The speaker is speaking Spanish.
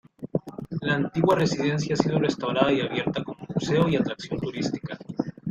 La antigua residencia ha sido restaurada y abierta como museo y atracción turística.